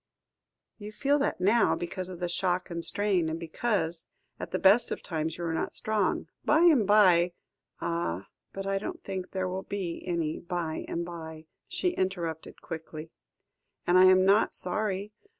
"You feel that now, because of the shock and strain, and because, at the best of times, you are not strong. By and by " "Ah! but I don't think there will be any by and by," she interrupted quietly, "and I am not sorry.